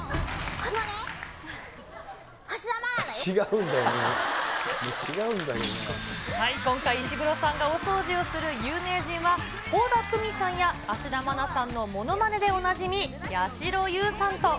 あのね、今回、石黒さんがお掃除をする有名人は、倖田來未さんや芦田愛菜さんのものまねでおなじみ、やしろ優さん